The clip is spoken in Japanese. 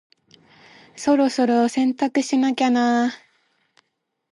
そろそろ洗濯しなきゃな。